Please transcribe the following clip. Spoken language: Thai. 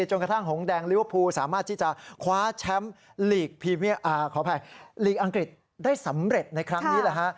จนกระทั่งหงษ์แดงลิเวอร์ภูสามารถที่จะคว้าแชมป์อังกฤษได้สำเร็จในครั้งนี้เลยฮะ